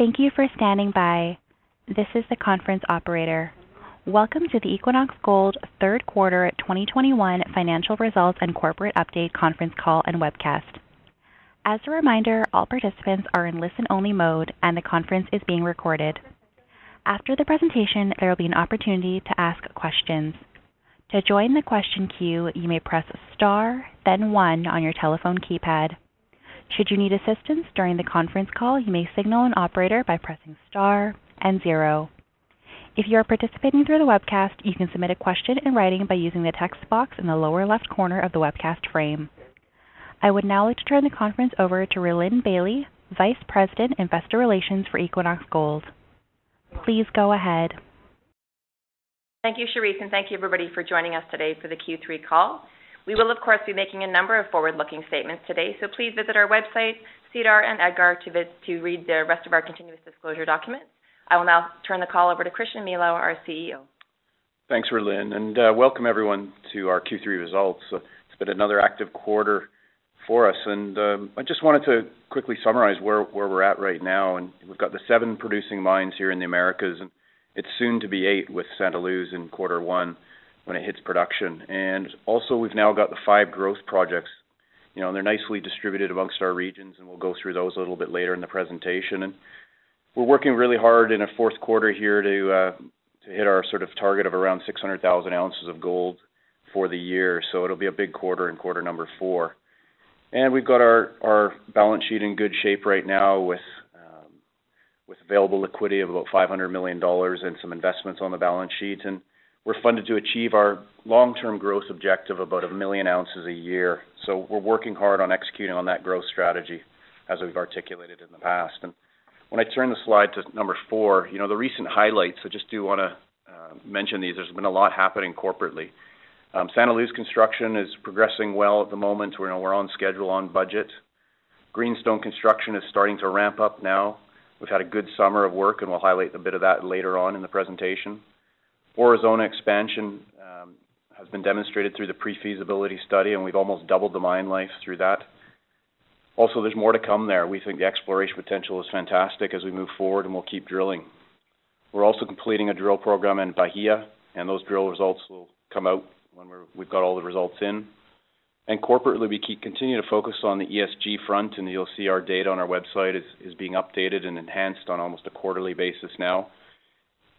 Thank you for standing by. This is the conference operator. Welcome to the Equinox Gold Third Quarter 2021 Financial Results and Corporate Update Conference Call and Webcast. As a reminder, all participants are in listen-only mode, and the conference is being recorded. After the presentation, there will be an opportunity to ask questions. To join the question queue, you may press star then one on your telephone keypad. Should you need assistance during the conference call, you may signal an operator by pressing star and zero. If you are participating through the webcast, you can submit a question in writing by using the text box in the lower left corner of the webcast frame. I would now like to turn the conference over to Rhylin Bailie, Vice President, Investor Relations for Equinox Gold. Please go ahead. Thank you, Cherise, and thank you everybody for joining us today for the Q3 call. We will, of course, be making a number of forward-looking statements today, so please visit our website, SEDAR and EDGAR to read the rest of our continuous disclosure documents. I will now turn the call over to Christian Milau, our CEO. Thanks, Rhylin, and welcome everyone to our Q3 results. It's been another active quarter for us. I just wanted to quickly summarize where we're at right now. We've got the seven producing mines here in the Americas, and it's soon to be eight with Santa Luz in quarter one when it hits production. We've now got the five growth projects. You know, they're nicely distributed amongst our regions, and we'll go through those a little bit later in the presentation. We're working really hard in a fourth quarter here to hit our sort of target of around 600,000 ounces of gold for the year. It'll be a big quarter in quarter number four. We've got our balance sheet in good shape right now with available liquidity of about $500 million and some investments on the balance sheet. We're funded to achieve our long-term growth objective about 1 million ounces a year. We're working hard on executing on that growth strategy as we've articulated in the past. When I turn the slide to number four, you know, the recent highlights, I just do wanna mention these. There's been a lot happening corporately. Santa Luz construction is progressing well at the moment. You know, we're on schedule, on budget. Greenstone construction is starting to ramp up now. We've had a good summer of work, and we'll highlight a bit of that later on in the presentation. Aurizona expansion has been demonstrated through the pre-feasibility study, and we've almost doubled the mine life through that. Also, there's more to come there. We think the exploration potential is fantastic as we move forward, and we'll keep drilling. We're also completing a drill program in Bahia, and those drill results will come out when we've got all the results in. Corporately, we continue to focus on the ESG front, and you'll see our data on our website is being updated and enhanced on almost a quarterly basis now.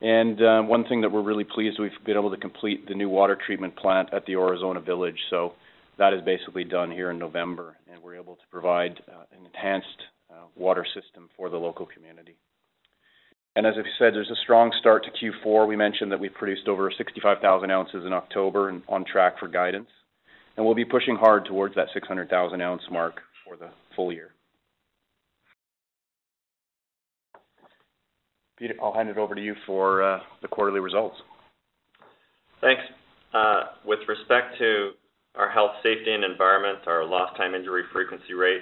One thing that we're really pleased, we've been able to complete the new water treatment plant at the Aurizona village. That is basically done here in November, and we're able to provide an enhanced water system for the local community. As I've said, there's a strong start to Q4. We mentioned that we produced over 65,000 ounces in October and on track for guidance. We'll be pushing hard towards that 600,000 ounce mark for the full year. Peter, I'll hand it over to you for the quarterly results. Thanks. With respect to our health, safety, and environment, our lost time injury frequency rate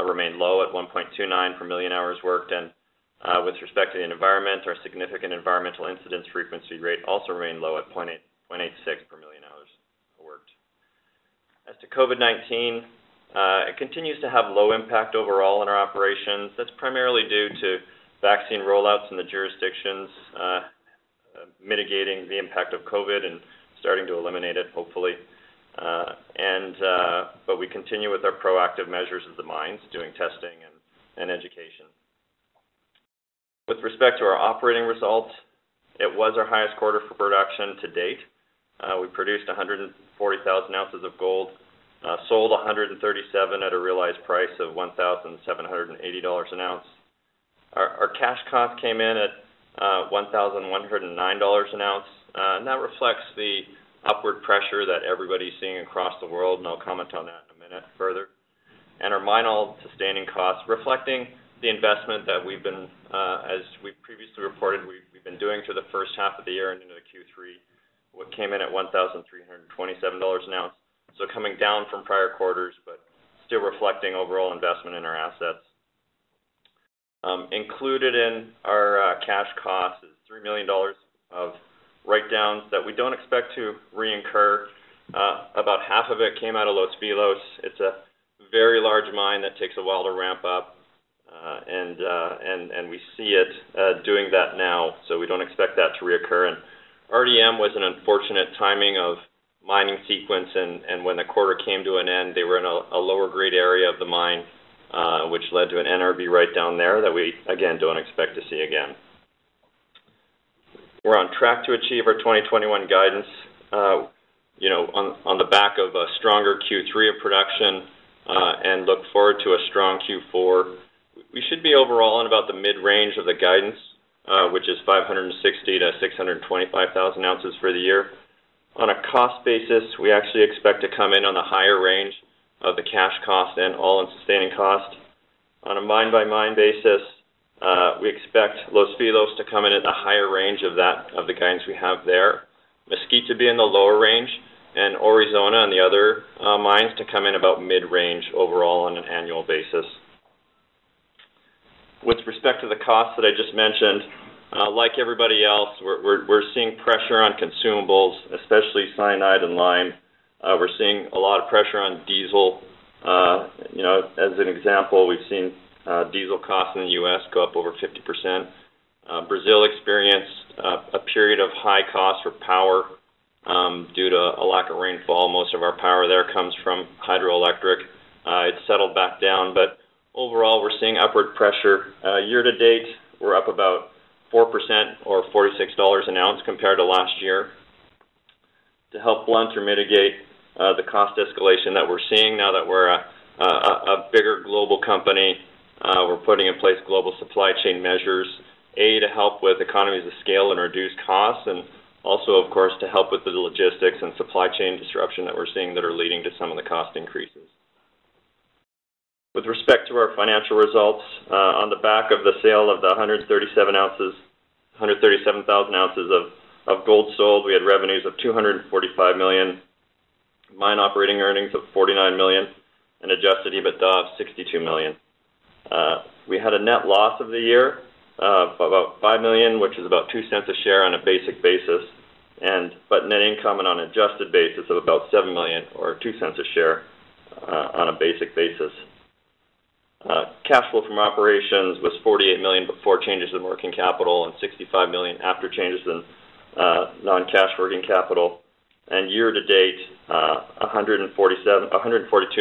remained low at 1.29 per million hours worked. With respect to the environment, our significant environmental incidents frequency rate also remained low at 0.86 per million hours worked. As to COVID-19, it continues to have low impact overall in our operations. That's primarily due to vaccine rollouts in the jurisdictions mitigating the impact of COVID and starting to eliminate it, hopefully. But we continue with our proactive measures at the mines, doing testing and education. With respect to our operating results, it was our highest quarter for production to date. We produced 140,000 ounces of gold, sold 137 at a realized price of $1,780 an ounce. Our cash cost came in at $1,109 an ounce. That reflects the upward pressure that everybody's seeing across the world, and I'll comment on that in a minute further. Our mine-site all-in sustaining costs, reflecting the investment that we've been doing for the first half of the year and into the Q3 as we previously reported, came in at $1,327 an ounce. Coming down from prior quarters, but still reflecting overall investment in our assets. Included in our cash costs is $3 million of write-downs that we don't expect to re-incur. About half of it came out of Los Filos. It's a very large mine that takes a while to ramp up, and we see it doing that now, so we don't expect that to reoccur. RDM was an unfortunate timing of mining sequence, and when the quarter came to an end, they were in a lower grade area of the mine, which led to an NRV write-down there that we again don't expect to see again. We're on track to achieve our 2021 guidance, you know, on the back of a stronger Q3 of production, and look forward to a strong Q4. We should be overall in about the mid-range of the guidance, which is 560,000-625,000 ounces for the year. On a cost basis, we actually expect to come in on the higher range of the cash cost and all-in sustaining cost. On a mine-by-mine basis, we expect Los Filos to come in at the higher range of that, of the guidance we have there. Mesquite to be in the lower range and Aurizona and the other, mines to come in about mid-range overall on an annual basis. With respect to the cost that I just mentioned, like everybody else, we're seeing pressure on consumables. A lot of pressure on diesel. You know, as an example, we've seen, diesel costs in the U.S. go up over 50%. Brazil experienced, a period of high cost for power, due to a lack of rainfall. Most of our power there comes from hydroelectric. It settled back down, but overall, we're seeing upward pressure. Year to date, we're up about 4% or $46 an ounce compared to last year. To help blunt or mitigate the cost escalation that we're seeing now that we're a bigger global company, we're putting in place global supply chain measures to help with economies of scale and reduce costs, and also, of course, to help with the logistics and supply chain disruption that we're seeing that are leading to some of the cost increases. With respect to our financial results, on the back of the sale of 137,000 ounces of gold sold, we had revenues of $245 million, mine operating earnings of $49 million, and adjusted EBITDA of $62 million. We had a net loss for the year of about $5 million, which is about $0.02 per share on a basic basis. But net income on an adjusted basis of about $7 million or $0.02 per share on a basic basis. Cash flow from operations was $48 million before changes in working capital and $65 million after changes in non-cash working capital. Year to date, $142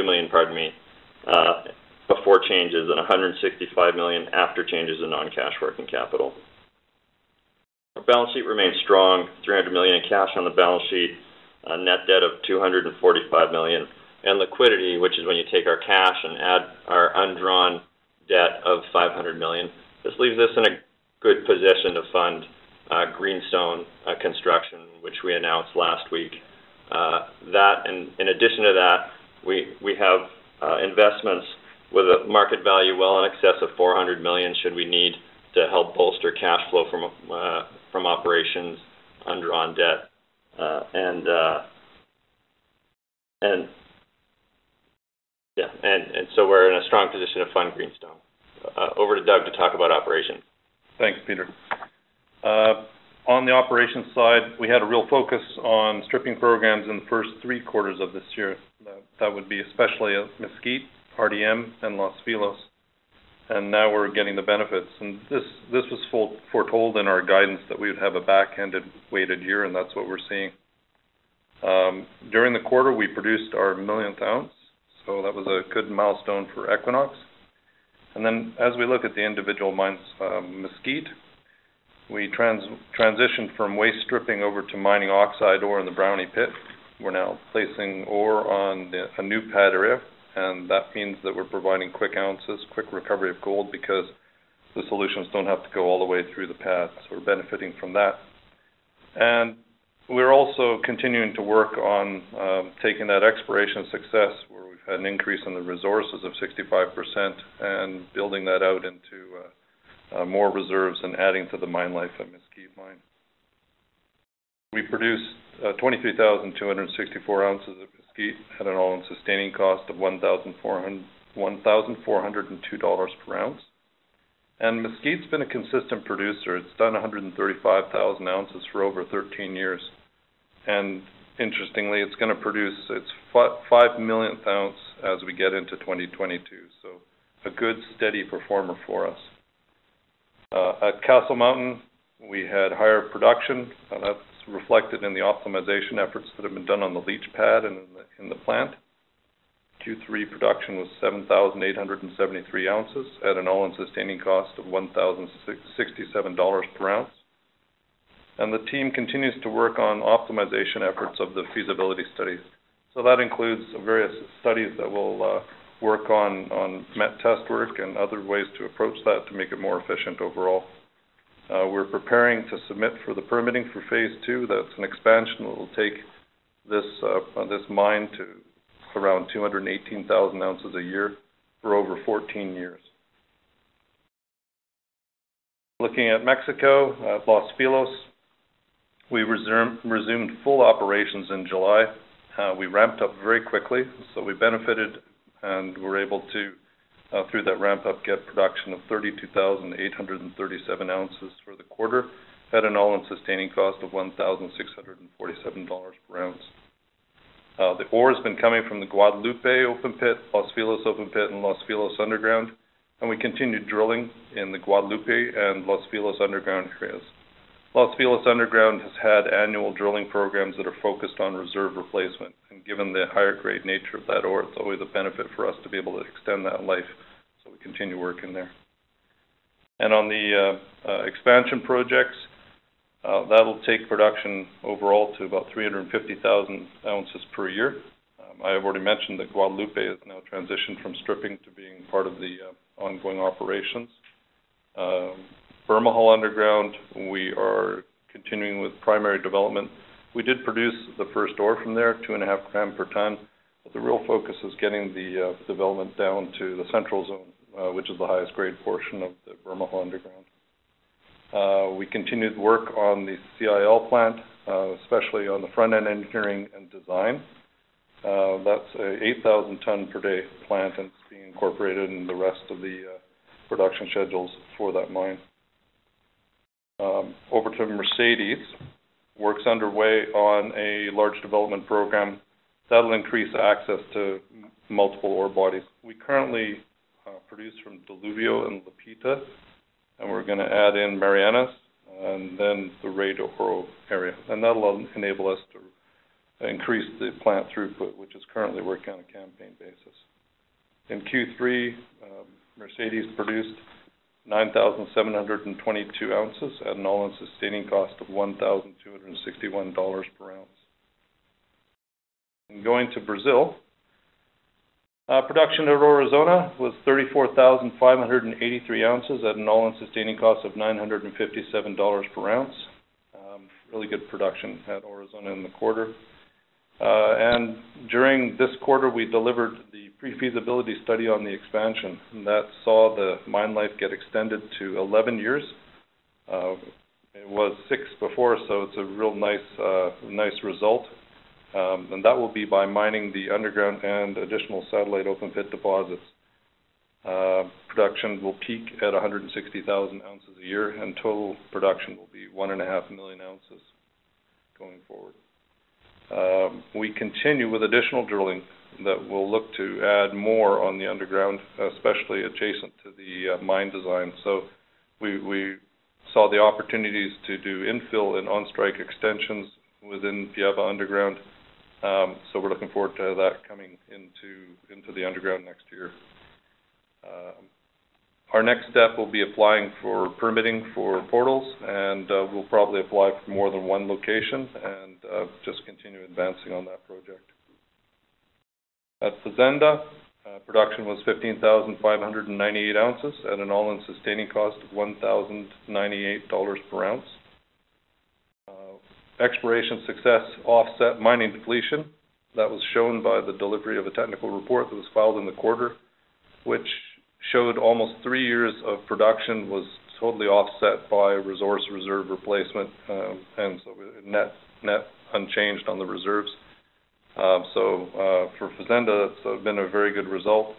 million, pardon me, before changes and $165 million after changes in non-cash working capital. Our balance sheet remains strong, $300 million in cash on the balance sheet, a net debt of $245 million, and liquidity, which is when you take our cash and add our undrawn debt of $500 million. This leaves us in a good position to fund Greenstone construction, which we announced last week. In addition to that, we have investments with a market value well in excess of $400 million should we need to help bolster cash flow from operations, undrawn debt. We're in a strong position to fund Greenstone. Over to Doug to talk about operations. Thanks, Peter. On the operations side, we had a real focus on stripping programs in the first three quarters of this year. That would be especially at Mesquite, RDM, and Los Filos. Now we're getting the benefits. This was foretold in our guidance that we would have a back-ended weighted year, and that's what we're seeing. During the quarter, we produced our millionth ounce, so that was a good milestone for Equinox. Then as we look at the individual mines, Mesquite, we transitioned from waste stripping over to mining oxide ore in the Brownie pit. We're now placing ore on a new pad area, and that means that we're providing quick ounces, quick recovery of gold because the solutions don't have to go all the way through the pads. We're benefiting from that. We're also continuing to work on taking that exploration success where we've had an increase in the resources of 65% and building that out into more reserves and adding to the mine life at Mesquite Mine. We produced 23,264 ounces of Mesquite at an all-in sustaining cost of $1,402 per ounce. Mesquite's been a consistent producer. It's done 135,000 ounces for over 13 years. Interestingly, it's gonna produce its 5 millionth ounce as we get into 2022. A good steady performer for us. At Castle Mountain, we had higher production, and that's reflected in the optimization efforts that have been done on the leach pad and in the plant. Q3 production was 7,873 ounces at an all-in sustaining cost of $1,667 per ounce. The team continues to work on optimization efforts of the feasibility studies. That includes various studies that will work on met test work and other ways to approach that to make it more efficient overall. We're preparing to submit for the permitting for phase II. That's an expansion that will take this mine to around 218,000 ounces a year for over 14 years. Looking at Mexico, at Los Filos, we resumed full operations in July. We ramped up very quickly, so we benefited and were able to, through that ramp-up, get production of 32,828 ounces for the quarter at an all-in sustaining cost of $1,647 per ounce. The ore has been coming from the Guadalupe open pit, Los Filos open pit, and Los Filos underground, and we continued drilling in the Guadalupe and Los Filos underground trails. Los Filos underground has had annual drilling programs that are focused on reserve replacement. Given the higher grade nature of that ore, it's always a benefit for us to be able to extend that life, so we continue working there. On the expansion projects, that'll take production overall to about 350,000 ounces per year. I have already mentioned that Guadalupe has now transitioned from stripping to being part of the ongoing operations. Bermejal underground, we are continuing with primary development. We did produce the first ore from there, 2.5 g per ton, but the real focus is getting the development down to the central zone, which is the highest grade portion of the Bermejal underground. We continued work on the CIL plant, especially on the front-end engineering and design. That's an 8,000 ton per day plant, and it's being incorporated in the rest of the production schedules for that mine. Over to Mercedes. Work's underway on a large development program that'll increase access to multiple ore bodies. We currently produce from Diluvio and La Pitaya, and we're gonna add in Marianas and then the Rey de Oro area. That'll enable us to increase the plant throughput, which is currently working on a campaign basis. In Q3, Mercedes produced 9,722 ounces at an all-in sustaining cost of $1,261 per ounce. Going to Brazil, production at Aurizona was 34,583 ounces at an all-in sustaining cost of $957 per ounce. Really good production at Aurizona in the quarter. During this quarter, we delivered the pre-feasibility study on the expansion. That saw the mine life get extended to 11 years. It was six before, so it's a real nice result. That will be by mining the underground and additional satellite open pit deposits. Production will peak at 160,000 ounces a year, and total production will be 1.5 million ounces going forward. We continue with additional drilling that will look to add more on the underground, especially adjacent to the mine design. We saw the opportunities to do infill and on strike extensions within Piaba underground, so we're looking forward to that coming into the underground next year. Our next step will be applying for permitting for portals, and we'll probably apply for more than one location and just continue advancing on that project. At Fazenda, production was 15,598 ounces at an all-in sustaining cost of $1,098 per ounce. Exploration success offset mining depletion. That was shown by the delivery of a technical report that was filed in the quarter, which showed almost three years of production was totally offset by resource reserve replacement, and we're net unchanged on the reserves. For Fazenda, it's been a very good result,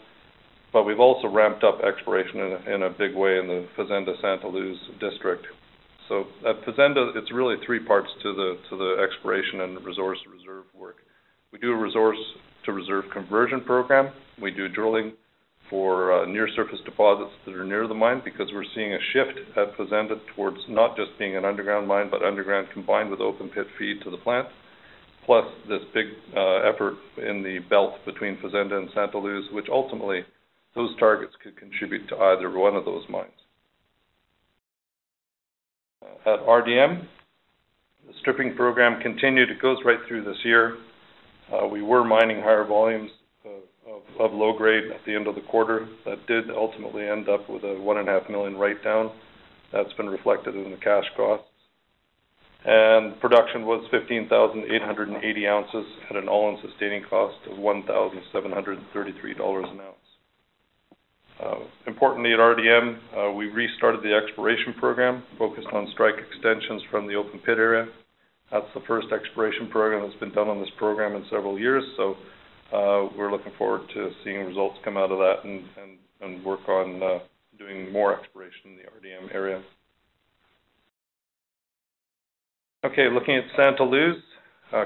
but we've also ramped up exploration in a big way in the Fazenda Santa Luz district. At Fazenda, it's really three parts to the exploration and the resource reserve work. We do a resource to reserve conversion program. We do drilling for near surface deposits that are near the mine because we're seeing a shift at Fazenda towards not just being an underground mine, but underground combined with open pit feed to the plant, plus this big effort in the belt between Fazenda and Santa Luz, which ultimately those targets could contribute to either one of those mines. At RDM, the stripping program continued. It goes right through this year. We were mining higher volumes of low grade at the end of the quarter. That did ultimately end up with a $1.5 million write-down. That's been reflected in the cash costs. Production was 15,880 ounces at an all-in sustaining cost of $1,733 an ounce. Importantly at RDM, we restarted the exploration program focused on strike extensions from the open pit area. That's the first exploration program that's been done on this program in several years. We're looking forward to seeing results come out of that and work on doing more exploration in the RDM area. Looking at Santa Luz,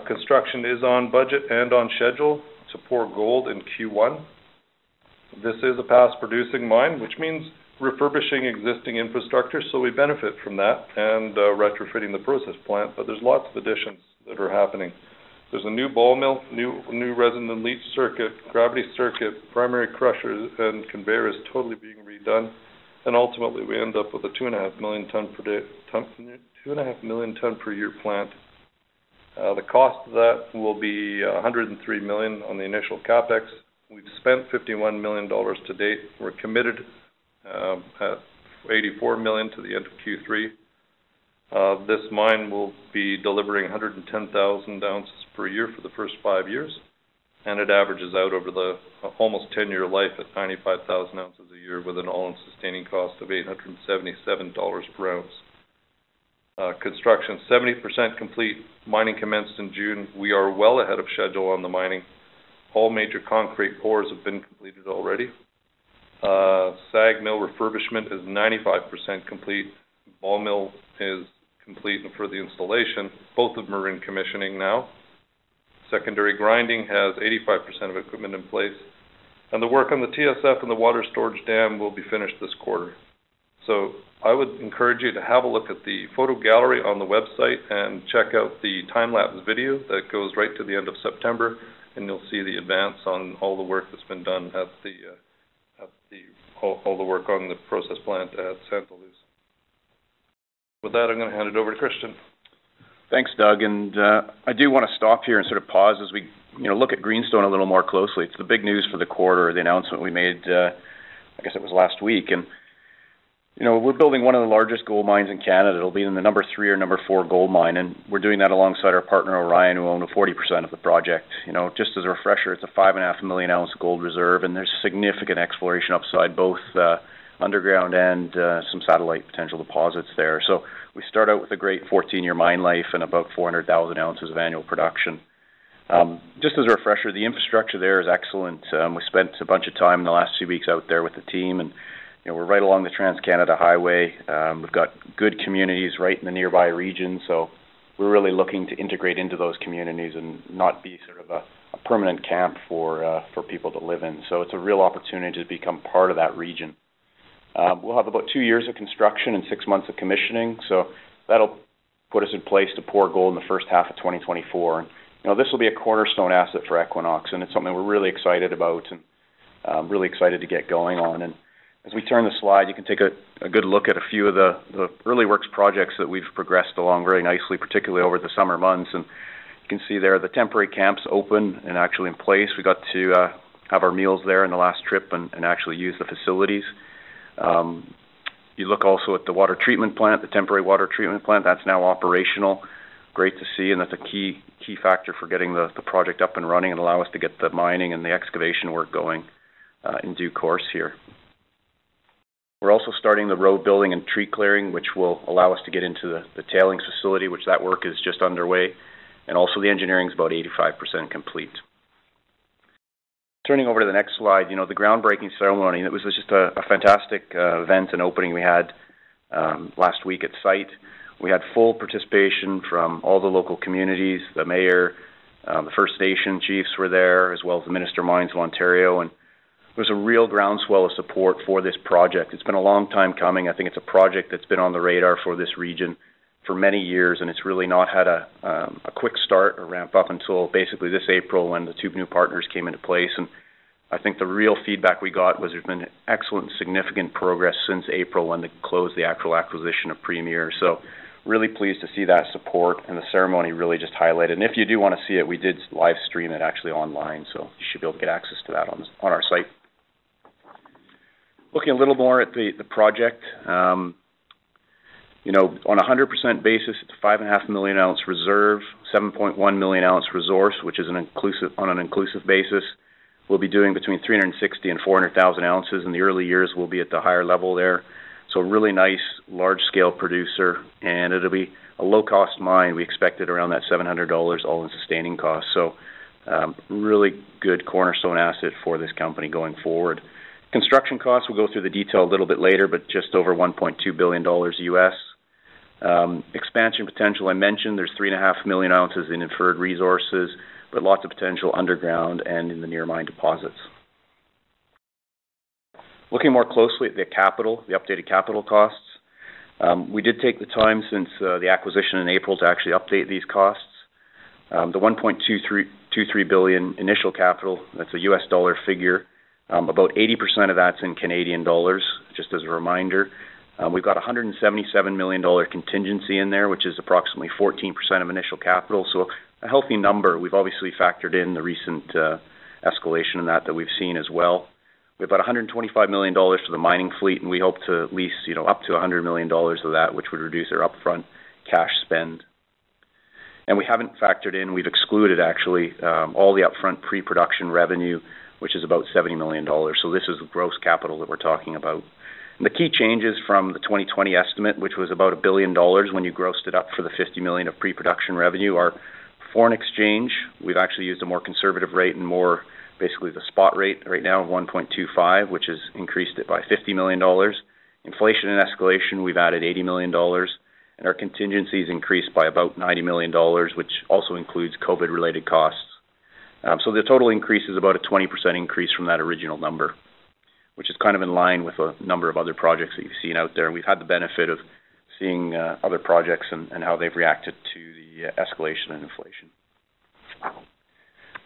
construction is on budget and on schedule to pour gold in Q1. This is a past-producing mine, which means refurbishing existing infrastructure, so we benefit from that, and retrofitting the process plant, but there's lots of additions that are happening. There's a new ball mill, new resin and leach circuit, gravity circuit, primary crusher, and conveyor is totally being redone. Ultimately, we end up with a 2.5 million ton per year plant. The cost of that will be $103 million on the initial CapEx. We've spent $51 million to date. We're committed at $84 million to the end of Q3. This mine will be delivering 110,000 ounces per year for the first five years, and it averages out over the almost 10-year life at 95,000 ounces a year with an all-in sustaining cost of $877 per ounce. Construction 70% complete. Mining commenced in June. We are well ahead of schedule on the mining. All major concrete pours have been completed already. SAG mill refurbishment is 95% complete. Ball mill is complete for the installation. Both of them are in commissioning now. Secondary grinding has 85% of equipment in place. The work on the TSF and the water storage dam will be finished this quarter. I would encourage you to have a look at the photo gallery on the website and check out the time lapse video that goes right to the end of September, and you'll see the advance on all the work that's been done, all the work on the process plant at Santa Luz. With that, I'm gonna hand it over to Christian. Thanks, Doug. I do wanna stop here and sort of pause as we, you know, look at Greenstone a little more closely. It's the big news for the quarter, the announcement we made, I guess it was last week. You know, we're building one of the largest gold mines in Canada. It'll be in the number three or number four gold mine, and we're doing that alongside our partner, Orion, who own the 40% of the project. You know, just as a refresher, it's a 5.5 million ounce gold reserve, and there's significant exploration upside, both underground and some satellite potential deposits there. We start out with a great 14-year mine life and about 400,000 ounces of annual production. Just as a refresher, the infrastructure there is excellent. We spent a bunch of time in the last few weeks out there with the team, and we're right along the Trans-Canada Highway. We've got good communities right in the nearby region. We're really looking to integrate into those communities and not be sort of a permanent camp for people to live in. It's a real opportunity to become part of that region. We'll have about two years of construction and six months of commissioning, so that'll put us in place to pour gold in the first half of 2024. This will be a cornerstone asset for Equinox, and it's something we're really excited about and really excited to get going on. As we turn the slide, you can take a good look at a few of the early works projects that we've progressed along very nicely, particularly over the summer months. You can see there the temporary camps open and actually in place. We got to have our meals there in the last trip and actually use the facilities. You look also at the water treatment plant, the temporary water treatment plant that's now operational. Great to see. That's a key factor for getting the project up and running and allow us to get the mining and the excavation work going in due course here. We're also starting the road building and tree clearing, which will allow us to get into the tailings facility, which work is just underway. Also the engineering is about 85% complete. Turning over to the next slide, you know, the groundbreaking ceremony, it was just a fantastic event and opening we had last week at site. We had full participation from all the local communities. The mayor, the First Nation chiefs were there, as well as the Minister of Mines of Ontario. There was a real groundswell of support for this project. It's been a long time coming. I think it's a project that's been on the radar for this region for many years, and it's really not had a quick start or ramp up until basically this April when the two new partners came into place. I think the real feedback we got was there's been excellent, significant progress since April when they closed the actual acquisition of Premier. Really pleased to see that support and the ceremony really just highlighted. If you do want to see it, we did live stream it actually online, so you should be able to get access to that on our site. Looking a little more at the project, you know, on a 100% basis, it's a 5.5 million ounce reserve, 7.1 million ounce resource, which is on an inclusive basis. We'll be doing between 360,000 and 400,000 ounces. In the early years, we'll be at the higher level there. So a really nice large scale producer, and it'll be a low cost mine. We expect it around that $700 all-in sustaining costs. So, really good cornerstone asset for this company going forward. Construction costs, we'll go through the detail a little bit later, but just over $1.2 billion. Expansion potential, I mentioned there's 3.5 million ounces in inferred resources, but lots of potential underground and in the near mine deposits. Looking more closely at the capital, the updated capital costs, we did take the time since the acquisition in April to actually update these costs. The $1.23 billion initial capital, that's a U.S. dollar figure. About 80% of that's in Canadian dollars. Just as a reminder, we've got a $177 million contingency in there, which is approximately 14% of initial capital. A healthy number. We've obviously factored in the recent escalation in that we've seen as well. We have about $125 million to the mining fleet, and we hope to lease, you know, up to $100 million of that, which would reduce our upfront cash spend. We haven't factored in, we've excluded actually, all the upfront pre-production revenue, which is about $70 million. This is the gross capital that we're talking about. The key changes from the 2020 estimate, which was about $1 billion when you grossed it up for the $50 million of pre-production revenue, are foreign exchange. We've actually used a more conservative rate and more basically the spot rate right now of 1.25, which has increased it by $50 million. Inflation and escalation, we've added $80 million, and our contingencies increased by about $90 million, which also includes COVID related costs. The total increase is about a 20% increase from that original number, which is kind of in line with a number of other projects that you've seen out there. We've had the benefit of seeing other projects and how they've reacted to the escalation and inflation.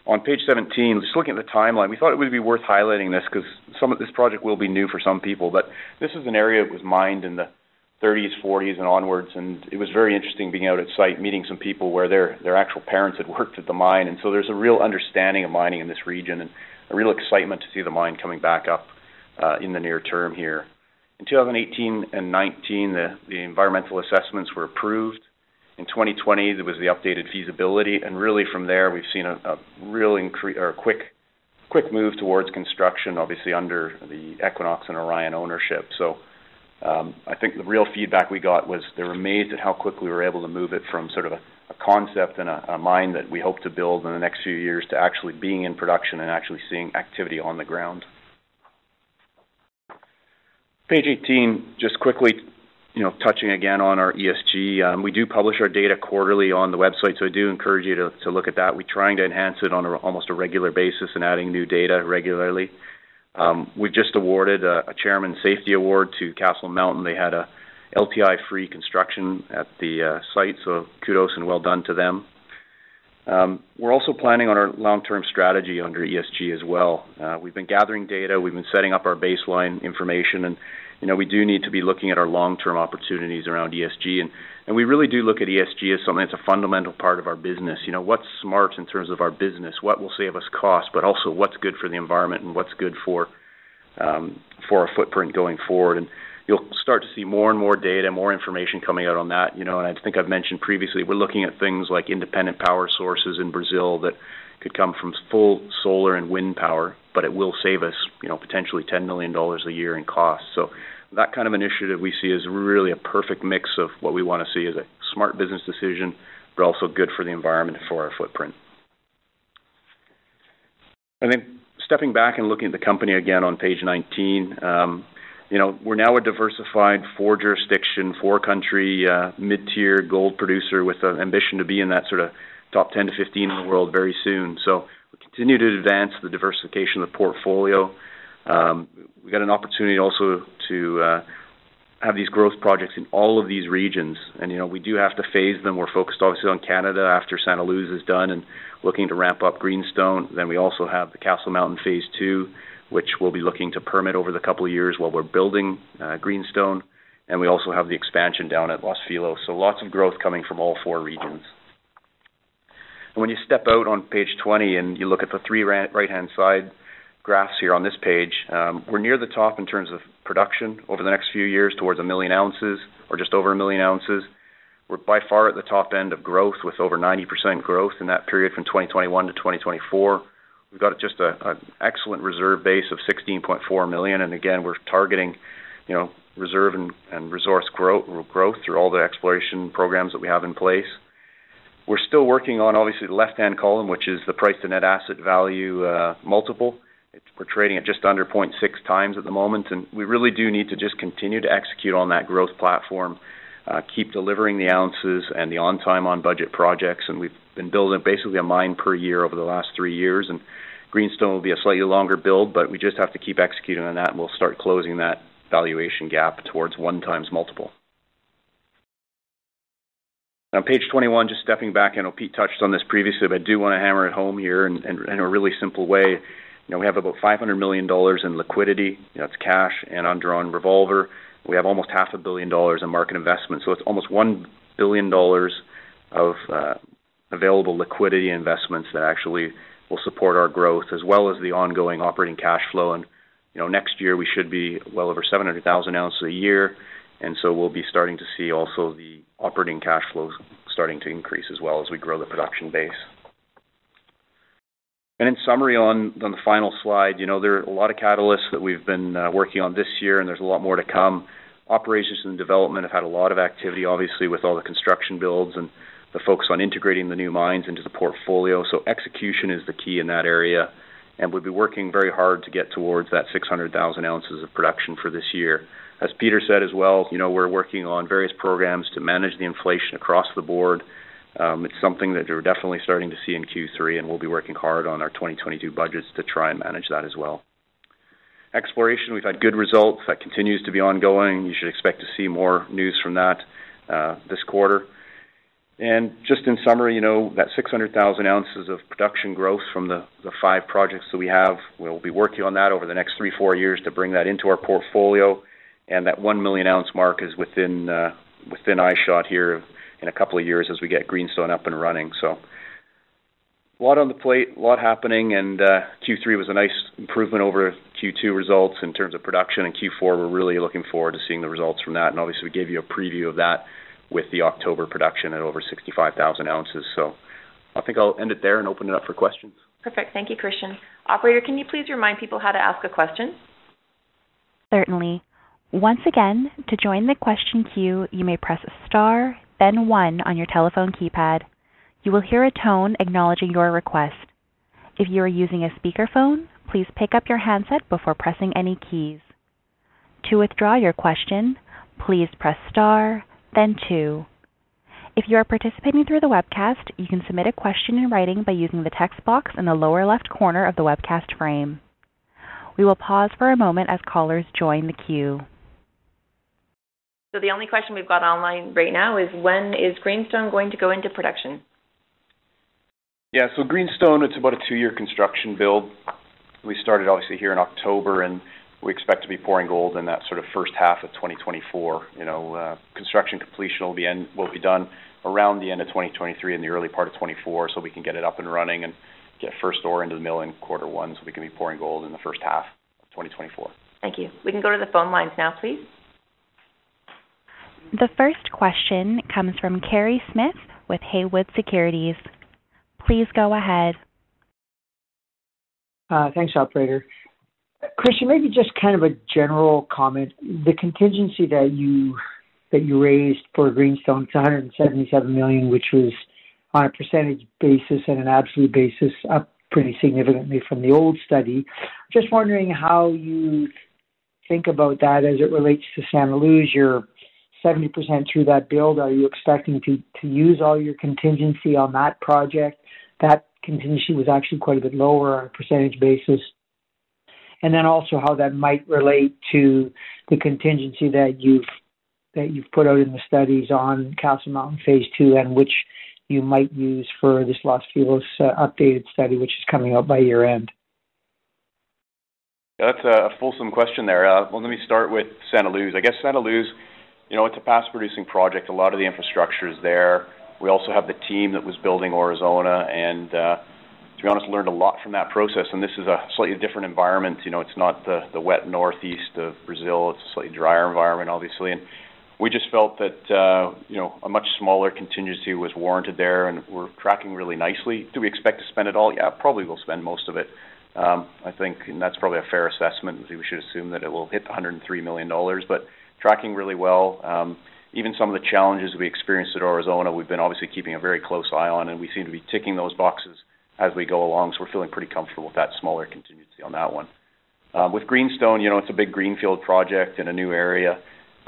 On page 17, just looking at the timeline, we thought it would be worth highlighting this because some of this project will be new for some people. This is an area that was mined in the 1930s, 1940s, and onwards. It was very interesting being out at site, meeting some people where their actual parents had worked at the mine. There's a real understanding of mining in this region and a real excitement to see the mine coming back up in the near term here. In 2018 and 2019, the environmental assessments were approved. In 2020, there was the updated feasibility. Really from there we've seen a quick move towards construction, obviously under the Equinox and Orion ownership. I think the real feedback we got was they were amazed at how quickly we were able to move it from sort of a concept and a mine that we hope to build in the next few years to actually being in production and actually seeing activity on the ground. Page 18, just quickly, you know, touching again on our ESG. We do publish our data quarterly on the website, so I do encourage you to look at that. We're trying to enhance it on almost a regular basis and adding new data regularly. We've just awarded a chairman safety award to Castle Mountain. They had a LTI-free construction at the site, so kudos and well done to them. We're also planning on our long-term strategy under ESG as well. We've been gathering data. We've been setting up our baseline information. You know, we do need to be looking at our long-term opportunities around ESG. We really do look at ESG as something that's a fundamental part of our business. You know, what's smart in terms of our business? What will save us cost, but also what's good for the environment and what's good for our footprint going forward? You'll start to see more and more data, more information coming out on that. You know, I think I've mentioned previously, we're looking at things like independent power sources in Brazil that could come from full solar and wind power, but it will save us, you know, potentially $10 million a year in cost. That kind of initiative we see as really a perfect mix of what we want to see as a smart business decision, but also good for the environment and for our footprint. Then stepping back and looking at the company again on page 19, you know, we're now a diversified four-jurisdiction, four-country mid-tier gold producer with an ambition to be in that sort of top 10 to 15 in the world very soon. We continue to advance the diversification of the portfolio. We've got an opportunity also to have these growth projects in all of these regions. You know, we do have to phase them. We're focused obviously on Canada after Santa Luz is done and looking to ramp up Greenstone. We also have the Castle Mountain phase II, which we'll be looking to permit over the couple of years while we're building Greenstone. We also have the expansion down at Los Filos. Lots of growth coming from all four regions. When you step out on page 20 and you look at the three right-hand-side graphs here on this page, we're near the top in terms of production over the next few years, towards 1 million ounces or just over 1 million ounces. We're by far at the top end of growth, with over 90% growth in that period from 2021 to 2024. We've got just an excellent reserve base of 16.4 million. Again, we're targeting, you know, reserve and resource growth through all the exploration programs that we have in place. We're still working on, obviously, the left-hand column, which is the price to net asset value multiple. We're trading at just under 0.6x at the moment, and we really do need to just continue to execute on that growth platform, keep delivering the ounces and the on time, on budget projects. We've been building basically a mine per year over the last three years. Greenstone will be a slightly longer build, but we just have to keep executing on that, and we'll start closing that valuation gap towards 1x multiple. On page 21, just stepping back, I know Pete touched on this previously, but I do want to hammer it home here in a really simple way. You know, we have about $500 million in liquidity. That's cash and undrawn revolver. We have almost $500 million in market investment. So it's almost $1 billion of available liquidity investments that actually will support our growth as well as the ongoing operating cash flow. You know, next year we should be well over 700,000 ounces a year. We'll be starting to see also the operating cash flows starting to increase as well as we grow the production base. In summary, on the final slide, you know, there are a lot of catalysts that we've been working on this year, and there's a lot more to come. Operations and development have had a lot of activity, obviously with all the construction builds and the focus on integrating the new mines into the portfolio. Execution is the key in that area and we've been working very hard to get towards that 600,000 ounces of production for this year. As Peter said as well, you know, we're working on various programs to manage the inflation across the board. It's something that you're definitely starting to see in Q3, and we'll be working hard on our 2022 budgets to try and manage that as well. Exploration, we've had good results. That continues to be ongoing. You should expect to see more news from that, this quarter. Just in summary, you know, that 600,000 ounces of production growth from the five projects that we have. We'll be working on that over the next three-four years to bring that into our portfolio. That 1 million ounce mark is within eyeshot here in a couple of years as we get Greenstone up and running. A lot on the plate, a lot happening, and Q3 was a nice improvement over Q2 results in terms of production. Q4, we're really looking forward to seeing the results from that. Obviously, we gave you a preview of that with the October production at over 65,000 ounces. I think I'll end it there and open it up for questions. Perfect. Thank you, Christian. Operator, can you please remind people how to ask a question? Certainly. Once again, to join the question queue, you may press star, then one on your telephone keypad. You will hear a tone acknowledging your request. If you are using a speakerphone, please pick up your handset before pressing any keys. To withdraw your question, please press star then two. If you are participating through the webcast, you can submit a question in writing by using the text box in the lower left corner of the webcast frame. We will pause for a moment as callers join the queue. The only question we've got online right now is when is Greenstone going to go into production? Yeah. Greenstone, it's about a two-year construction build. We started obviously here in October, and we expect to be pouring gold in that sort of first half of 2024. You know, construction completion will be done around the end of 2023 and the early part of 2024, so we can get it up and running and get first ore into the mill in Q1, so we can be pouring gold in the first half of 2024. Thank you. We can go to the phone lines now, please. The first question comes from Kerry Smith with Haywood Securities. Please go ahead. Thanks, operator. Christian, maybe just kind of a general comment. The contingency that you raised for Greenstone, it's $177 million, which was on a percentage basis and an absolute basis up pretty significantly from the old study. Just wondering how you think about that as it relates to Santa Luz. You're 70% through that build. Are you expecting to use all your contingency on that project? That contingency was actually quite a bit lower on a percentage basis. Then also how that might relate to the contingency that you've put out in the studies on Castle Mountain phase II, and which you might use for this Los Filos updated study, which is coming out by year-end. That's a fulsome question there. Let me start with Santa Luz. I guess Santa Luz, you know, it's a past producing project. A lot of the infrastructure is there. We also have the team that was building Aurizona, and, to be honest, learned a lot from that process. This is a slightly different environment. You know, it's not the wet northeast of Brazil. It's a slightly drier environment, obviously. We just felt that, you know, a much smaller contingency was warranted there, and we're tracking really nicely. Do we expect to spend it all? Yeah, probably we'll spend most of it, I think, and that's probably a fair assessment. We should assume that it will hit $103 million, but tracking really well. Even some of the challenges we experienced at Aurizona, we've been obviously keeping a very close eye on, and we seem to be ticking those boxes as we go along, so we're feeling pretty comfortable with that smaller contingency on that one. With Greenstone, you know, it's a big greenfield project in a new area.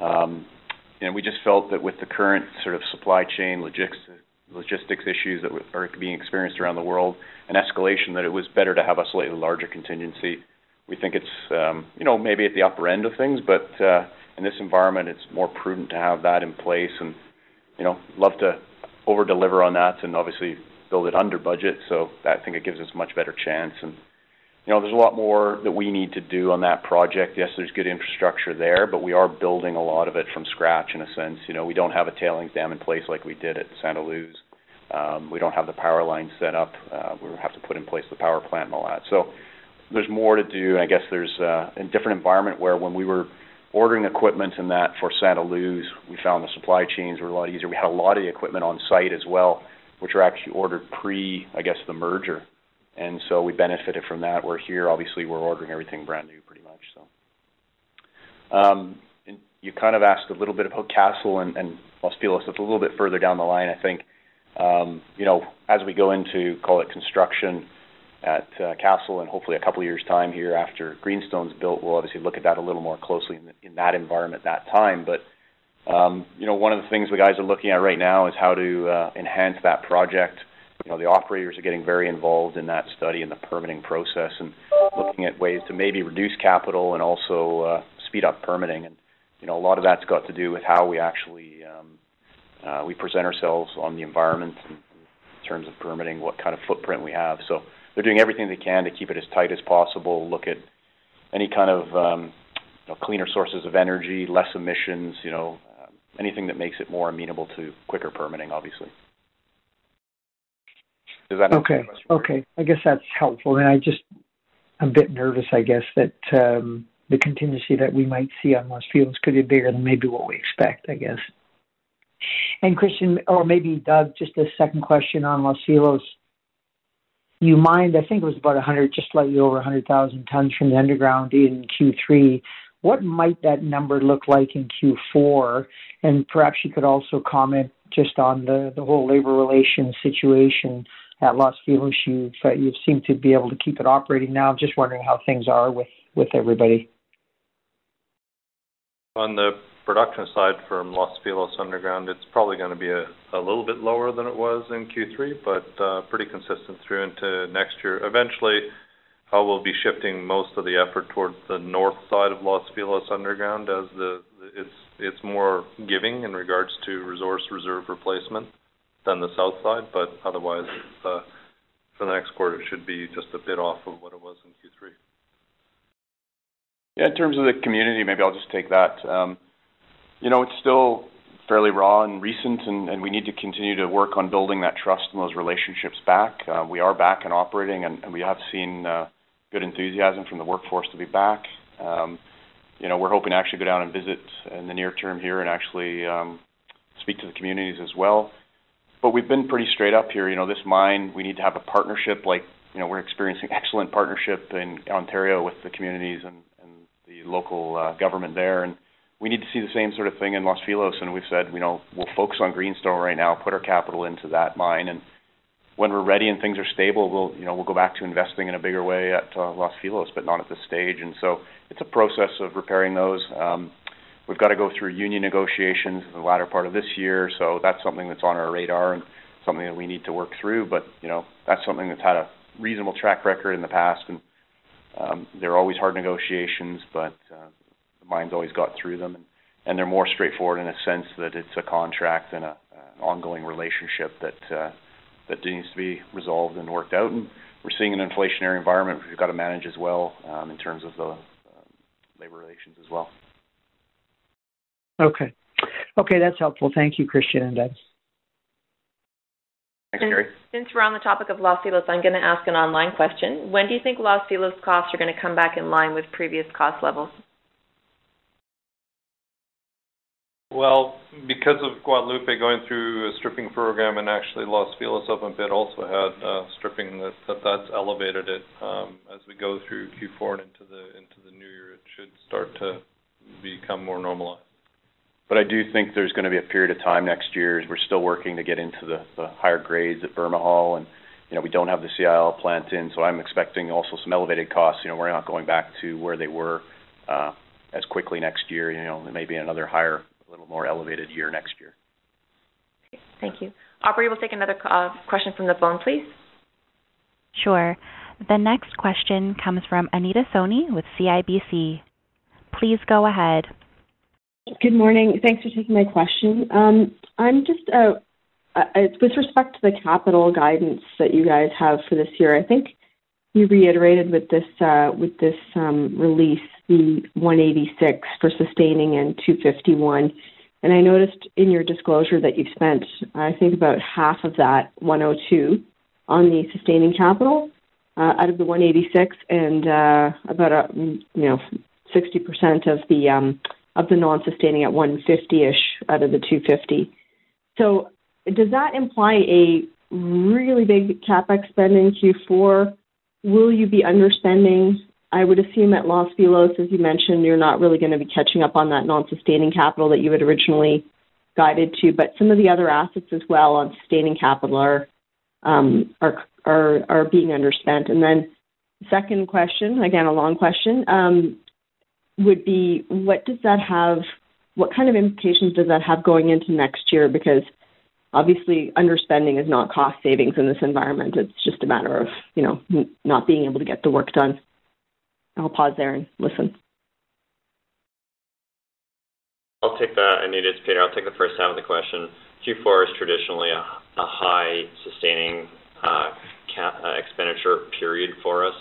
We just felt that with the current sort of supply chain logistics issues that are being experienced around the world and escalation, that it was better to have a slightly larger contingency. We think it's, you know, maybe at the upper end of things, but in this environment, it's more prudent to have that in place and, you know, love to over-deliver on that and obviously build it under budget. I think it gives us much better chance. You know, there's a lot more that we need to do on that project. Yes, there's good infrastructure there, but we are building a lot of it from scratch in a sense. You know, we don't have a tailings dam in place like we did at Santa Luz. We don't have the power line set up. We have to put in place the power plant and all that. There's more to do, and I guess there's a different environment where when we were ordering equipment and that for Santa Luz, we found the supply chains were a lot easier. We had a lot of the equipment on site as well, which were actually ordered pre, I guess, the merger. We benefited from that. Where here, obviously we're ordering everything brand new pretty much so. You kind of asked a little bit about Castle and Los Filos. It's a little bit further down the line, I think. You know, as we go into, call it construction at Castle and hopefully a couple years' time here after Greenstone's built, we'll obviously look at that a little more closely in that environment that time. You know, one of the things the guys are looking at right now is how to enhance that project. You know, the operators are getting very involved in that study and the permitting process and looking at ways to maybe reduce capital and also speed up permitting. You know, a lot of that's got to do with how we actually present ourselves on the environment in terms of permitting, what kind of footprint we have. They're doing everything they can to keep it as tight as possible, look at any kind of, you know, cleaner sources of energy, less emissions, you know, anything that makes it more amenable to quicker permitting, obviously. Does that answer your question? Okay. Okay. I guess that's helpful. I'm just a bit nervous, I guess, that the contingency that we might see on Los Filos could be bigger than maybe what we expect, I guess. Christian or maybe Doug, just a second question on Los Filos. You mined, I think it was about 100, just slightly over 100,000 tons from the underground in Q3. What might that number look like in Q4? Perhaps you could also comment just on the whole labor relations situation at Los Filos. You seem to be able to keep it operating now. Just wondering how things are with everybody. On the production side from Los Filos underground, it's probably gonna be a little bit lower than it was in Q3, but pretty consistent through into next year. Eventually, I will be shifting most of the effort towards the north side of Los Filos underground as it's more giving in regards to resource reserve replacement than the south side. Otherwise, for the next quarter, it should be just a bit off of what it was in Q3. Yeah. In terms of the community, maybe I'll just take that. You know, it's still fairly raw and recent, and we need to continue to work on building that trust and those relationships back. We are back and operating, and we have seen good enthusiasm from the workforce to be back. You know, we're hoping to actually go down and visit in the near term here and actually speak to the communities as well. We've been pretty straight up here. You know, this mine, we need to have a partnership. Like, you know, we're experiencing excellent partnership in Ontario with the communities and the local government there, and we need to see the same sort of thing in Los Filos. We've said, you know, we'll focus on Greenstone right now, put our capital into that mine, and when we're ready and things are stable, we'll, you know, we'll go back to investing in a bigger way at Los Filos, but not at this stage. It's a process of repairing those. We've got to go through union negotiations in the latter part of this year, so that's something that's on our radar and something that we need to work through. You know, that's something that's had a reasonable track record in the past. They're always hard negotiations, but the mine's always got through them. They're more straightforward in a sense that it's a contract and an ongoing relationship that that needs to be resolved and worked out. We're seeing an inflationary environment we've got to manage as well, in terms of the labor relations as well. Okay. Okay, that's helpful. Thank you, Christian and Doug. Thanks, Kerry. Since we're on the topic of Los Filos, I'm gonna ask an online question. When do you think Los Filos costs are gonna come back in line with previous cost levels? Well, because of Guadalupe going through a stripping program and actually Los Filos up a bit also had stripping, that's elevated it. As we go through Q4 and into the new year, it should start to become more normalized. I do think there's gonna be a period of time next year as we're still working to get into the higher grades at Bermejal and, you know, we don't have the CIL plant in, so I'm expecting also some elevated costs. You know, we're not going back to where they were as quickly next year. You know, it may be another higher, little more elevated year next year. Thank you. Operator, we'll take another question from the phone, please. Sure. The next question comes from Anita Soni with CIBC. Please go ahead. Good morning. Thanks for taking my question. I'm just with respect to the capital guidance that you guys have for this year. I think you reiterated with this release, the $186 for sustaining and $251. I noticed in your disclosure that you've spent, I think about half of that, $102, on the sustaining capital out of the $186 and, you know, about 60% of the non-sustaining at $150-ish out of the $250. Does that imply a really big CapEx spend in Q4? Will you be underspending? I would assume at Los Filos, as you mentioned, you're not really gonna be catching up on that non-sustaining capital that you had originally guided to. Some of the other assets as well on sustaining capital are being underspent. Second question, again, a long question, would be what kind of implications does that have going into next year? Because obviously underspending is not cost savings in this environment. It's just a matter of, you know, not being able to get the work done. I'll pause there and listen. I'll take that. Maybe it's Peter. I'll take the first half of the question. Q4 is traditionally a high sustaining expenditure period for us.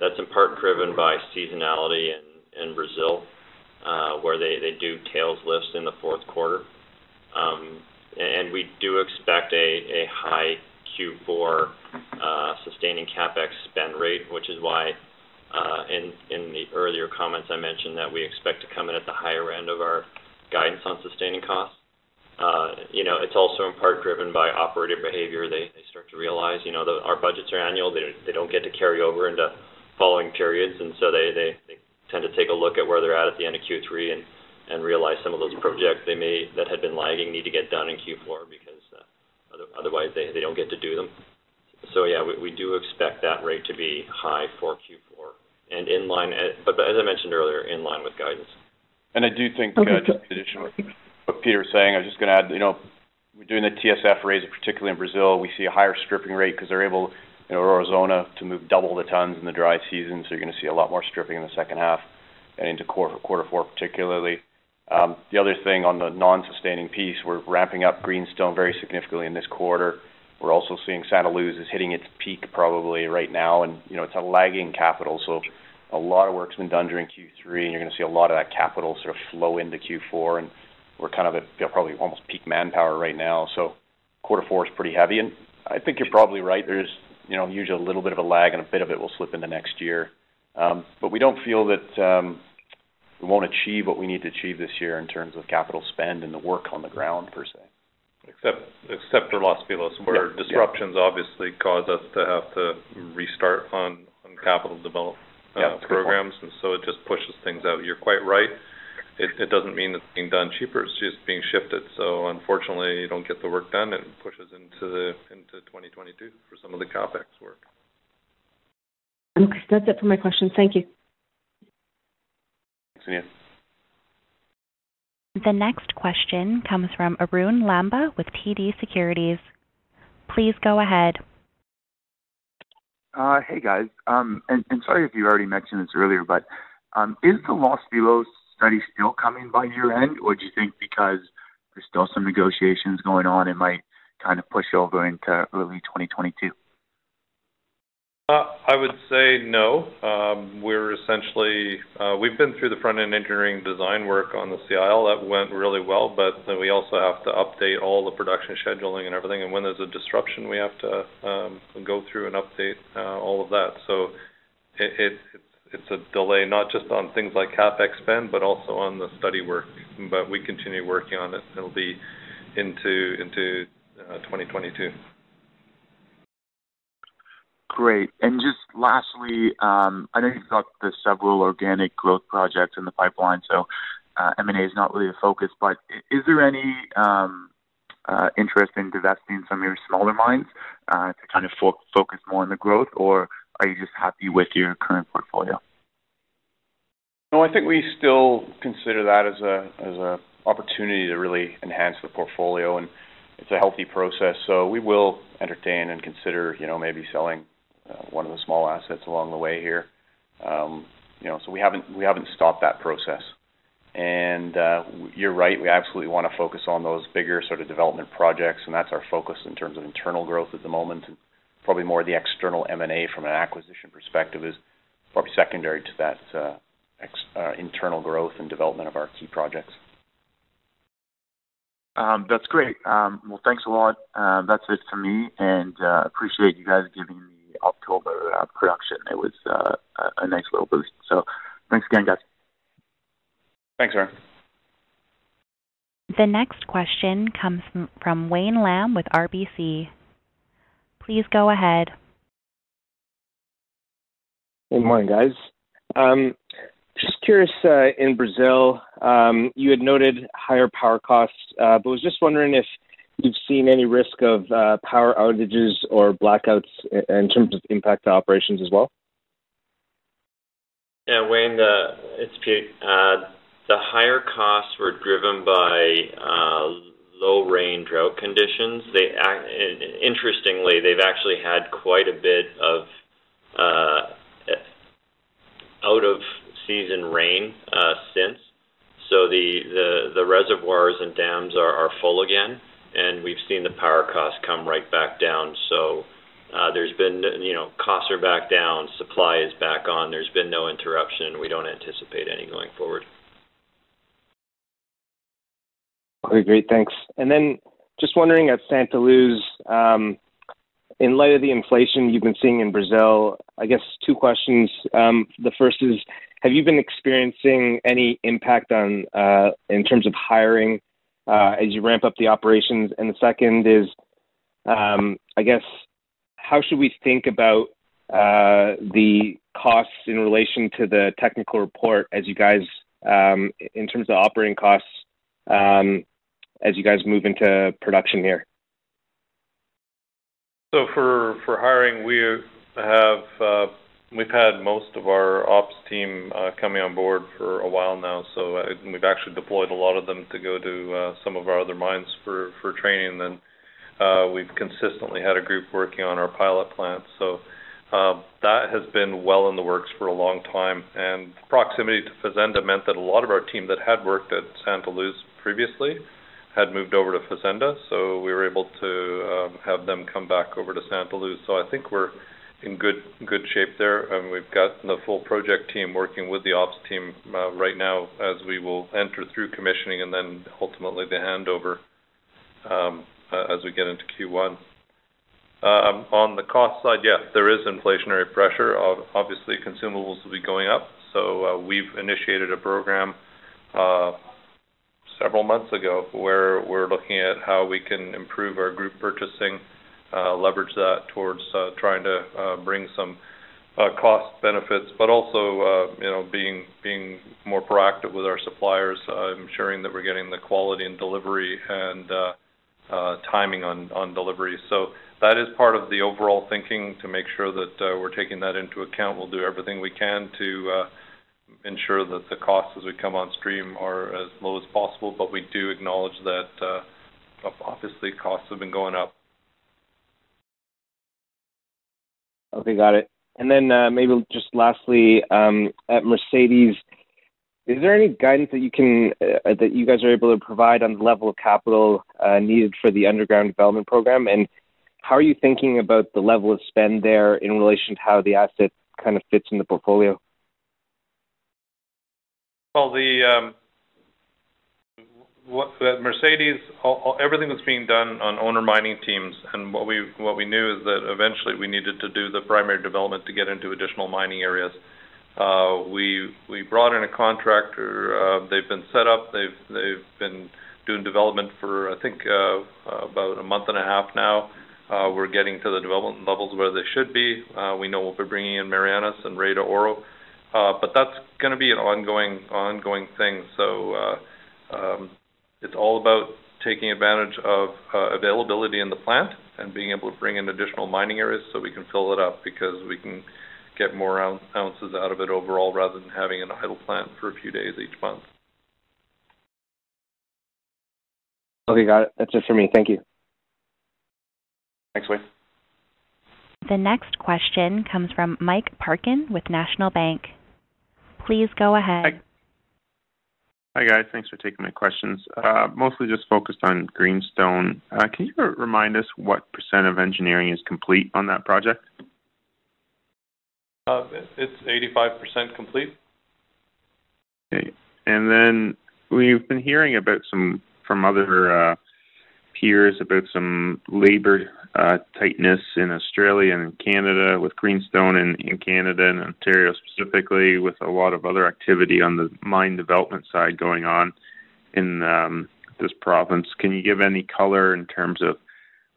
That's in part driven by seasonality in Brazil, where they do tailings lifts in the fourth quarter. We do expect a high Q4 sustaining CapEx spend rate, which is why in the earlier comments, I mentioned that we expect to come in at the higher end of our guidance on sustaining costs. You know, it's also in part driven by operator behavior. They start to realize, you know, that our budgets are annual. They don't get to carry over into following periods, and so they tend to take a look at where they're at the end of Q3 and realize some of those projects that had been lagging need to get done in Q4 because otherwise they don't get to do them. Yeah, we do expect that rate to be high for Q4 and in line, but as I mentioned earlier, in line with guidance. I do think, just in addition to what Peter was saying, I was just gonna add, you know, we're doing the TSF raise, particularly in Brazil. We see a higher stripping rate 'cause they're able, you know, Aurizona to move double the tons in the dry season, so you're gonna see a lot more stripping in the second half and into quarter four, particularly. The other thing on the non-sustaining piece, we're ramping up Greenstone very significantly in this quarter. We're also seeing Santa Luz is hitting its peak probably right now and, you know, it's a lagging capital. A lot of work's been done during Q3, and you're gonna see a lot of that capital sort of flow into Q4, and we're kind of at, you know, probably almost peak manpower right now. Quarter four is pretty heavy. I think you're probably right. There's you know usually a little bit of a lag and a bit of it will slip into next year. We don't feel that we won't achieve what we need to achieve this year in terms of capital spend and the work on the ground per se. Except for Los Filos where disruptions obviously cause us to have to restart on capital development programs. Yeah. It just pushes things out. You're quite right. It doesn't mean it's being done cheaper. It's just being shifted. Unfortunately, you don't get the work done, and it pushes into 2022 for some of the CapEx work. Okay. That's it for my questions. Thank you. Thanks. The next question comes from Arun Lamba with TD Securities. Please go ahead. Hey, guys. Sorry if you already mentioned this earlier, but is the Los Filos study still coming by year-end, or do you think because there's still some negotiations going on, it might kind of push over into early 2022? I would say no. We've been through the front-end engineering design work on the CIL. That went really well. We also have to update all the production scheduling and everything. When there's a disruption, we have to go through and update all of that. It's a delay, not just on things like CapEx spend, but also on the study work. We continue working on it. It'll be into 2022. Great. Just lastly, I know you've got the several organic growth projects in the pipeline, so, M&A is not really a focus, but is there any, interest in divesting some of your smaller mines, to kind of focus more on the growth, or are you just happy with your current portfolio? No, I think we still consider that as an opportunity to really enhance the portfolio, and it's a healthy process. We will entertain and consider, you know, maybe selling one of the small assets along the way here. You know, we haven't stopped that process. You're right, we absolutely wanna focus on those bigger sort of development projects, and that's our focus in terms of internal growth at the moment. Probably more of the external M&A from an acquisition perspective is probably secondary to that internal growth and development of our key projects. That's great. Well, thanks a lot. That's it for me. I appreciate you guys giving me October production. It was a nice little boost. Thanks again, guys. Thanks, Arun. The next question comes from Wayne Lam with RBC. Please go ahead. Good morning, guys. Just curious, in Brazil, you had noted higher power costs, but was just wondering if you've seen any risk of power outages or blackouts in terms of impact to operations as well? Yeah, Wayne, it's Pete. The higher costs were driven by low rain drought conditions. Interestingly, they've actually had quite a bit of out of season rain since. The reservoirs and dams are full again, and we've seen the power costs come right back down. There's been, you know, costs are back down, supply is back on. There's been no interruption. We don't anticipate- Okay, great. Thanks. Then just wondering at Santa Luz, in light of the inflation you've been seeing in Brazil, I guess two questions. The first is, have you been experiencing any impact on, in terms of hiring, as you ramp up the operations? The second is, I guess, how should we think about, the costs in relation to the technical report as you guys, in terms of operating costs, as you guys move into production here? For hiring, we've had most of our ops team coming on board for a while now. We've actually deployed a lot of them to go to some of our other mines for training. We've consistently had a group working on our pilot plant. That has been well in the works for a long time. Proximity to Fazenda meant that a lot of our team that had worked at Santa Luz previously had moved over to Fazenda. We were able to have them come back over to Santa Luz. I think we're in good shape there. We've got the full project team working with the ops team right now as we will enter through commissioning and then ultimately the handover as we get into Q1. On the cost side, yeah, there is inflationary pressure. Obviously, consumables will be going up. We've initiated a program several months ago, where we're looking at how we can improve our group purchasing, leverage that towards trying to bring some cost benefits. Also, you know, being more proactive with our suppliers, ensuring that we're getting the quality and delivery and timing on delivery. That is part of the overall thinking to make sure that we're taking that into account. We'll do everything we can to ensure that the costs as we come on stream are as low as possible, but we do acknowledge that obviously, costs have been going up. Okay, got it. Maybe just lastly, at Mercedes, is there any guidance that you guys are able to provide on the level of capital needed for the underground development program? How are you thinking about the level of spend there in relation to how the asset kind of fits in the portfolio? At Mercedes, everything was being done on owner mining teams, and what we knew is that eventually we needed to do the primary development to get into additional mining areas. We brought in a contractor, they've been set up. They've been doing development for, I think, about a month and a half now. We're getting to the development levels where they should be. We know what they're bringing in Marianas and Rey de Oro. That's gonna be an ongoing thing. It's all about taking advantage of availability in the plant and being able to bring in additional mining areas so we can fill it up because we can get more ounces out of it overall, rather than having an idle plant for a few days each month. Okay, got it. That's it for me. Thank you. Thanks, Wayne. The next question comes from Mike Parkin with National Bank. Please go ahead. Hi. Hi, guys. Thanks for taking my questions. Mostly just focused on Greenstone. Can you remind us what percent of engineering is complete on that project? It's 85% complete. Okay. Then we've been hearing from other peers about some labor tightness in Australia and in Canada with Greenstone in Canada and Ontario, specifically with a lot of other activity on the mine development side going on in this province. Can you give any color in terms of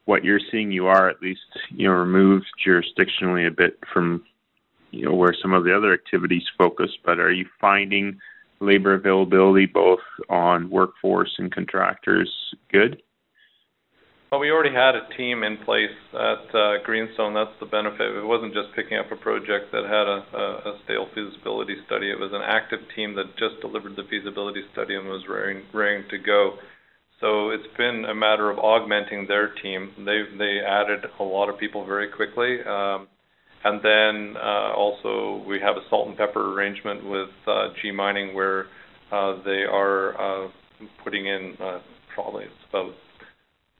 what you're seeing? You are at least, you know, removed jurisdictionally a bit from, you know, where some of the other activities focus, but are you finding labor availability both on workforce and contractors good? Well, we already had a team in place at Greenstone. That's the benefit. It wasn't just picking up a project that had a stale feasibility study. It was an active team that just delivered the feasibility study and was raring to go. It's been a matter of augmenting their team. They added a lot of people very quickly. Also we have a secondment arrangement with G Mining where they are putting in probably about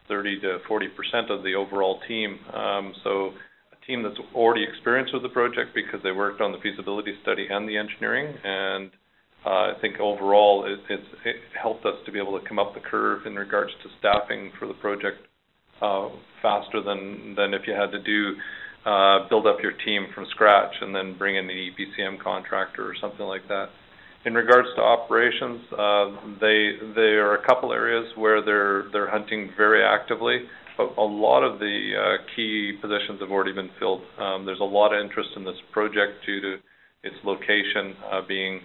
30%-40% of the overall team. A team that's already experienced with the project because they worked on the feasibility study and the engineering. I think overall it helped us to be able to come up the curve in regards to staffing for the project faster than if you had to build up your team from scratch and then bring in the EPCM contractor or something like that. In regards to operations, there are a couple areas where they're hunting very actively, but a lot of the key positions have already been filled. There's a lot of interest in this project due to its location being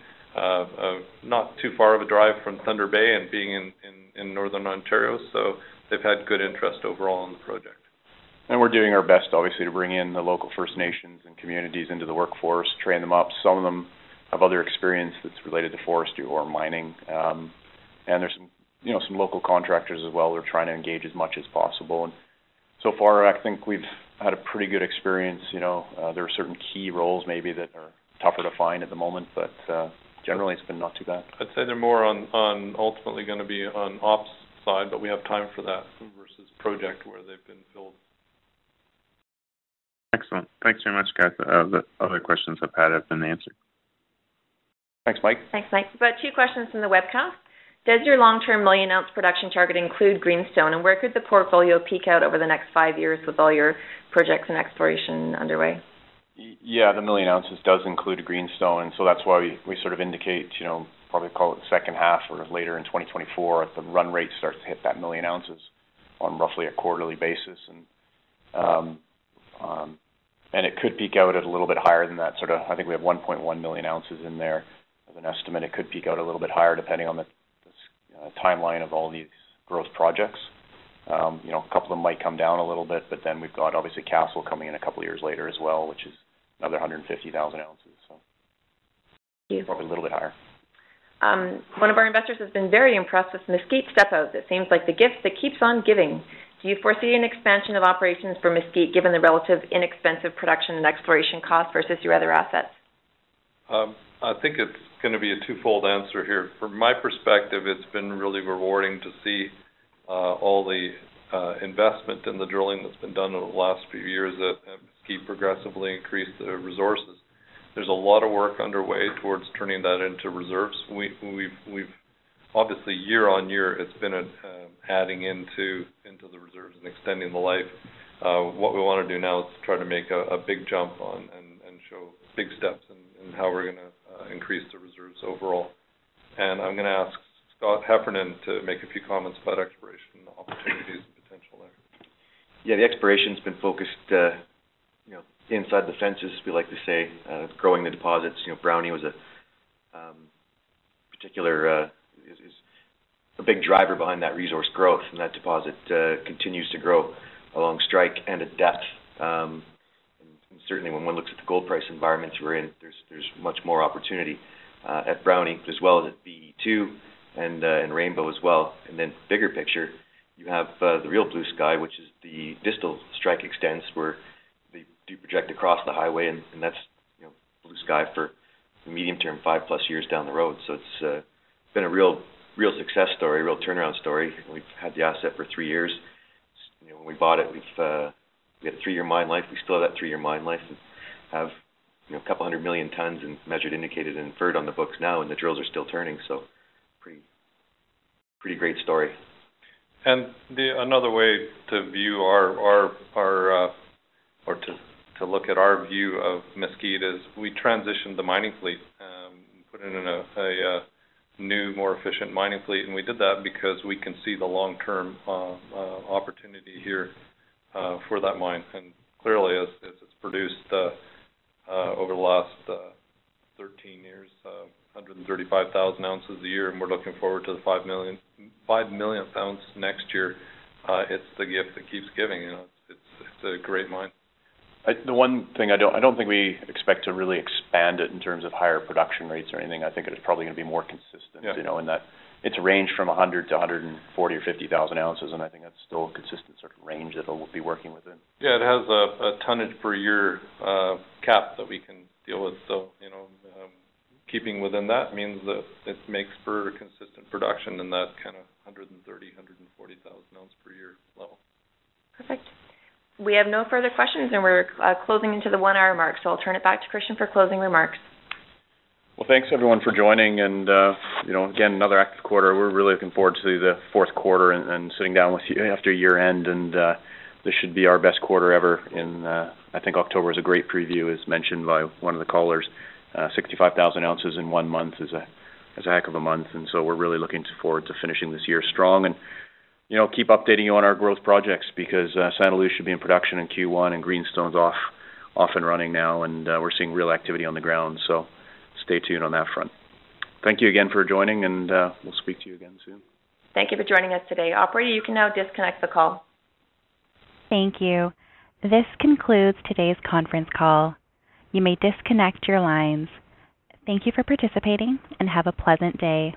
not too far of a drive from Thunder Bay and being in northern Ontario. They've had good interest overall on the project. We're doing our best obviously to bring in the local First Nations and communities into the workforce, train them up. Some of them have other experience that's related to forestry or mining. There's some, you know, some local contractors as well. We're trying to engage as much as possible. So far, I think we've had a pretty good experience. You know, there are certain key roles maybe that are tougher to find at the moment, but, generally it's been not too bad. I'd say they're more on ultimately gonna be on ops side, but we have time for that versus project where they've been filled. Thanks very much, guys. The other questions I've had have been answered. Thanks, Mike. Thanks, Mike. We've got two questions from the webcast. Does your long-term 1 million ounce production target include Greenstone? And where could the portfolio peak out over the next five years with all your projects and exploration underway? Yeah, 1 million ounces does include Greenstone, and so that's why we sort of indicate, you know, probably call it the second half or later in 2024, the run rate starts to hit that 1 million ounces on roughly a quarterly basis. It could peak out at a little bit higher than that, sort of I think we have 1.1 million ounces in there as an estimate. It could peak out a little bit higher depending on the, you know, timeline of all these growth projects. You know, a couple of them might come down a little bit, but then we've got obviously Castle coming in a couple of years later as well, which is another 150,000 ounces. Thank you. probably a little bit higher. One of our investors has been very impressed with Mesquite step-out. That seems like the gift that keeps on giving. Do you foresee an expansion of operations for Mesquite, given the relatively inexpensive production and exploration cost versus your other assets? I think it's gonna be a twofold answer here. From my perspective, it's been really rewarding to see all the investment and the drilling that's been done over the last few years at Mesquite progressively increase the resources. There's a lot of work underway towards turning that into reserves. We've obviously year on year, it's been adding into the reserves and extending the life. What we wanna do now is try to make a big jump on and show big steps in how we're gonna increase the reserves overall. I'm gonna ask Scott Heffernan to make a few comments about exploration opportunities and potential there. Yeah, the exploration's been focused, you know, inside the fences, we like to say, growing the deposits. You know, Brownie was a particular, is a big driver behind that resource growth, and that deposit continues to grow along strike and at depth. And certainly when one looks at the gold price environments we're in, there's much more opportunity at Brownie as well as at BE2 and in Rainbow as well. Then bigger picture, you have the real blue sky, which is the distal strike extents where they do project across the highway, and that's, you know, blue sky for the medium-term, 5+ years down the road. It's been a real success story, a real turnaround story. We've had the asset for three years. You know, when we bought it, we had a three-year mine life. We still have that three-year mine life and have, you know, 200 million tons in measured, indicated, and inferred on the books now, and the drills are still turning. Pretty great story. Another way to view our or to look at our view of Mesquite is we transitioned the mining fleet and put it in a new, more efficient mining fleet. We did that because we can see the long-term opportunity here for that mine. Clearly, as it's produced over the last 13 years, 135,000 ounces a year, and we're looking forward to the 5 millionth ounce next year. It's the gift that keeps giving. You know, it's a great mine. The one thing I don't think we expect to really expand it in terms of higher production rates or anything. I think it is probably gonna be more consistent. Yeah You know, in that it's ranged from 100 to 140 or 150 thousand ounces, and I think that's still a consistent sort of range that we'll be working within. Yeah, it has a tonnage per year cap that we can deal with. You know, keeping within that means that it makes for consistent production and that kind of 130,000-140,000 ounce per year level. Perfect. We have no further questions, and we're closing into the one-hour mark, so I'll turn it back to Christian for closing remarks. Well, thanks everyone for joining and, you know, again, another active quarter. We're really looking forward to the fourth quarter and sitting down with you after year-end and this should be our best quarter ever. I think October is a great preview, as mentioned by one of the callers. 65,000 ounces in one month is a heck of a month, and we're really looking forward to finishing this year strong and, you know, keep updating you on our growth projects because Santa Luz should be in production in Q1 and Greenstone's off and running now, and we're seeing real activity on the ground. Stay tuned on that front. Thank you again for joining, and we'll speak to you again soon. Thank you for joining us today. Operator, you can now disconnect the call. Thank you. This concludes today's conference call. You may disconnect your lines. Thank you for participating and have a pleasant day.